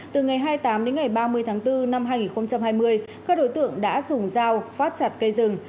từ ngày hai mươi tám đến ngày ba mươi tháng bốn năm hai nghìn hai mươi các đối tượng đã dùng dao phát chặt cây rừng